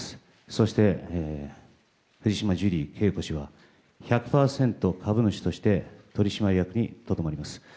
そして藤島ジュリー景子氏は１００％株主として取締役にとどまります。